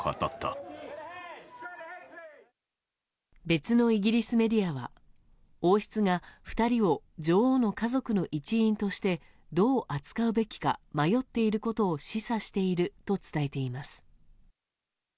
別のイギリスメディアは王室が２人を女王の家族の一員としてどう扱うべきか迷っていることを示唆していると伝えています。